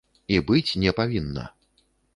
І быць не павінна.